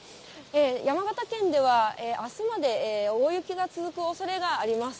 山形県では、あすまで、大雪が続くおそれがあります。